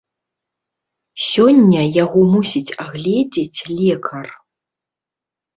Сёння яго мусіць агледзець лекар.